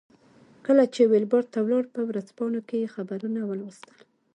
کله چې ویلباډ ته ولاړ په ورځپاڼو کې یې خبرونه ولوستل.